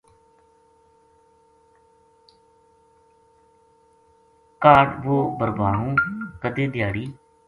کاہڈ وہ بھربھانو کَدے دھیاڑی